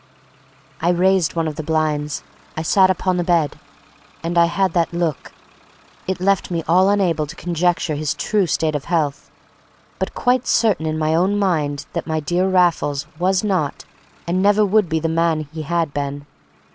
I raised one of the blinds, I sat upon the bed, and I had that look. It left me all unable to conjecture his true state of health, but quite certain in my own mind that my dear Raffles was not and never would be the man that he had been.